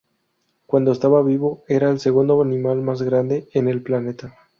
Cuando estaba vivo, era el segundo animal más grande en el planeta.